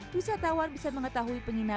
wisatawan bisa mengetahui penyelidikan